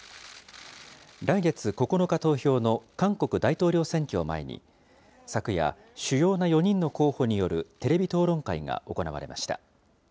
来月９日投票の韓国大統領選挙を前に、昨夜、主要な４人の候補によるテレビ討論会が行われました。